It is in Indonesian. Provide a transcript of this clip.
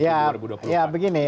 ya begini ya